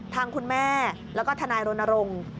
ทางคุณแม่แล้วก็ทนายรณรงค์